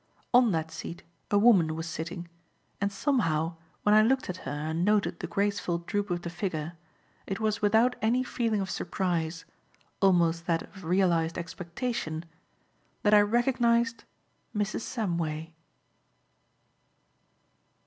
On that seat a woman was sitting; and somehow, when I looked at her and noted the graceful droop of the figure, it was without any feeling of surprise almost that of realized expectation that I recognized Mrs. Samway.